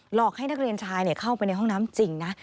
อกให้นักเรียนชายเข้าไปในห้องน้ำจริงนะ